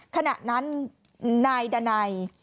ขณะนั้นนายดันัย